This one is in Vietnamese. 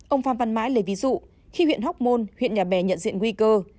ông phan văn mãi lấy ví dụ khi huyện hóc môn huyện nhà bè nhận diện nguy cơ